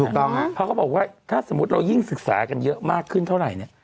ถูกต้องครับเพราะเขาบอกว่าถ้าสมมุติเรายิ่งศึกษากันเยอะมากขึ้นเท่าไหร่เนี่ย